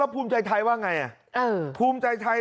ภูมิใจไทย